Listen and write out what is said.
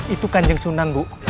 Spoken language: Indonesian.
itu kanjeng sunan bu